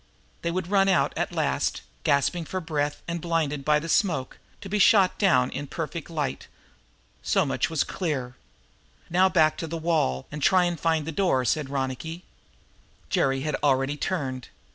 They would run out at last, gasping for breath and blinded by the smoke, to be shot down in a perfect light. So much was clear. "Now back to the wall and try to find that door," said Ronicky. Jerry had already turned.